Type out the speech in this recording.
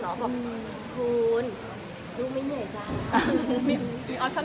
เดี๋ยวปีหน้าลูกก็ไม่ได้ถึงกับฉันแล้วค่ะ